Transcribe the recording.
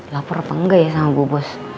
lapor apa enggak ya sama bu bos